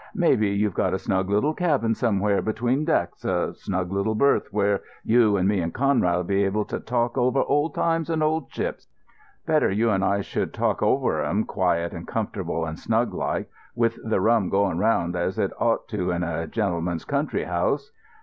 Maybe you've got a snug little cabin somewhere between decks, a snug little berth where you and me and Conrad 'll be able to talk over old times and old ships. Better you and I should talk over 'em quiet and comfortable and snug like, with the rum going round as it ought to in a genelman's country house.